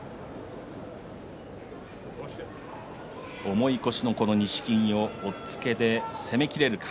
重い腰の錦木を押っつけで攻めきれるか。